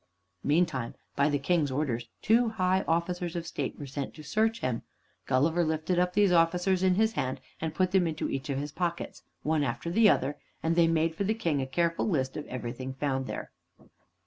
Meantime, by the King's orders, two high officers of state were sent to search him, Gulliver lifted up these officers in his hand and put them into each of his pockets, one after the other, and they made for the King a careful list of everything found there.